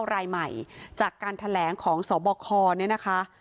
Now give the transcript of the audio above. รายใหม่จากการแถลงของสบคเนี่ยนะคะ